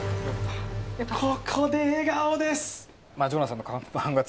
ここで笑顔です